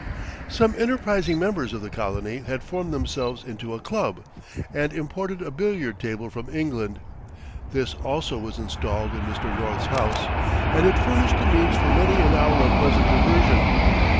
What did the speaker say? Some enterprising members of the colony had formed themselves into a club, and imported a billiard table from England; this, also, was installed in Mr. North's house, and it furnished the means for many an hour of pleasant diversion.